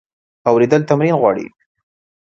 اورېدل تمرین غواړي.